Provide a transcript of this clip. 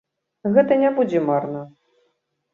Гэта не будзе марна.